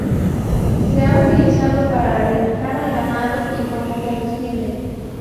Se ha utilizado para alimentar al ganado y como combustible.